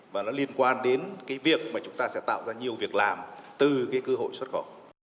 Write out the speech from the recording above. và nó liên quan đến cái việc mà chúng ta sẽ tạo ra nhiều việc làm từ cái cơ hội xuất khẩu